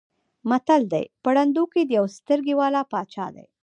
متل دی: په ړندو کې د یوې سترګې واله باچا دی.